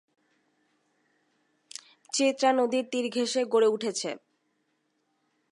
চিত্রা নদীর তীর ঘেষে গড়ে উঠেছে।